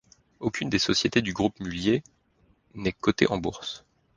Aucune des sociétés du groupe Mulliez n'est cotée en bourse.